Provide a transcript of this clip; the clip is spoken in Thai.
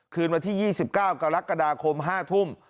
คืนวันที่๒๙กรกฎาคม๕ทุ่ม